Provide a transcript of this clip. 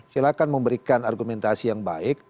silahkan memberikan argumentasi yang baik